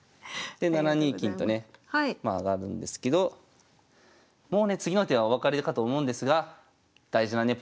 で７二金とねまあ上がるんですけどもうね次の手はお分かりかと思うんですが大事なね